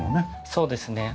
そうですね。